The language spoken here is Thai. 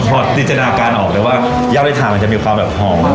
พอจินตนาการออกเลยว่าย่าไปทานมันจะมีความแบบหอม